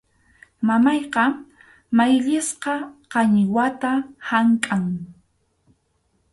Mamayqa mayllasqa qañiwata hamkʼan.